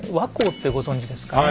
「倭寇」ってご存じですかね？